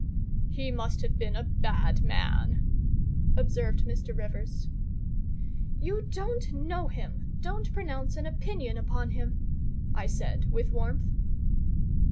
"He must have been a bad man," observed Mr. Rivers. "You don't know him—don't pronounce an opinion upon him," I said, with warmth.